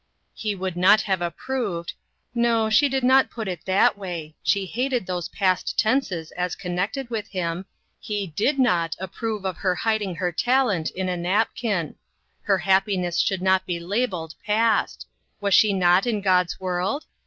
He would not have approved no, she did not put it that way, she hated those past tenses as connected with him he did not approve of her hid ing her talent in a napkin ; her happiness should not be labeled "past;" was she not in God's world?